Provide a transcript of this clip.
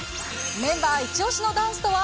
メンバー一押しのダンスとは。